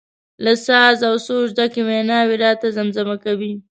له ساز او سوزه ډکې ویناوي راته زمزمه کوي.